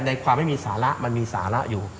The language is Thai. ความไม่มีสาระมันมีสาระอยู่